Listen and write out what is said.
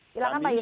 silahkan pak yusuf